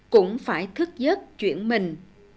cũng phải thức giấc chuyển mình